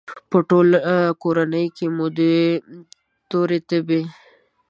په ټوله کورکې کې مو د تورې تبې،